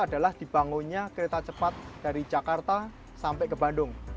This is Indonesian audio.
adalah dibangunnya kereta cepat dari jakarta sampai ke bandung